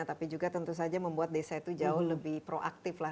tapi juga tentu saja membuat desa itu jauh lebih proaktif lah